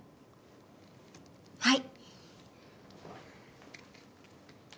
はい。